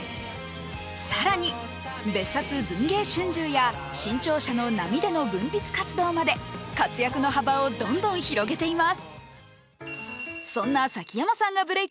更に、「別冊文藝春秋」や新潮社の「波」での文筆活動まで活躍の幅をどんどん広げています。